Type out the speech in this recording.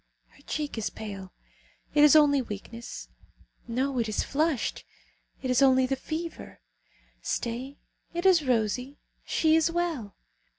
Her cheek is pale; it is only weakness! No, it is flushed; it is only the fever. Stay! It is rosy. She is well!